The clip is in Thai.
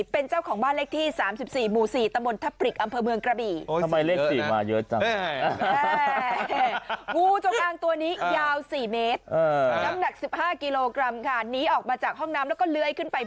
เป็นเจ้าของบ้านเลขที่๓๔หมู่๔